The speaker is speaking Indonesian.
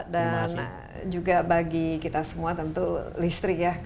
dan juga bagi kita semua tentu listrik ya